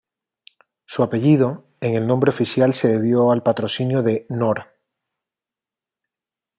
Su "apellido" en el nombre oficial se debió al patrocinio de Knorr.